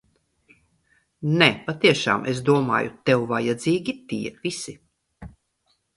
Nē, patiešām, es domāju, tev vajadzīgi tie visi!